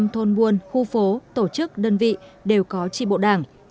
một trăm linh thôn buôn khu phố tổ chức đơn vị đều có tri bộ đảng